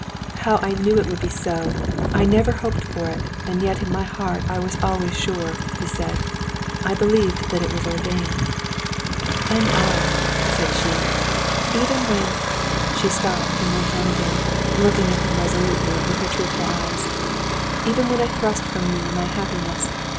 "How I knew it would be so! I never hoped for it; and yet in my heart I was always sure," he said. "I believe that it was ordained." "And I!" she said. "Even when...." She stopped and went on again, looking at him resolutely with her truthful eyes, "Even when I thrust from me my happiness.